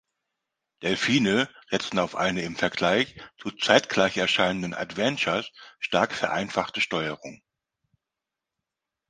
Delphine setzte auf eine im Vergleich zu zeitgleich erscheinenden Adventures stark vereinfachte Steuerung.